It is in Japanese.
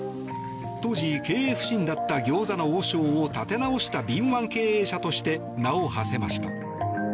当時、経営不振だった餃子の王将を立て直した敏腕経営者として名をはせました。